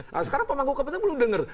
nah sekarang pemangku kpk belum denger